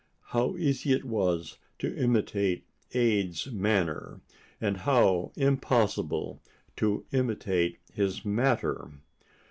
How easy it was to imitate Ade's manner—and how impossible to imitate his matter!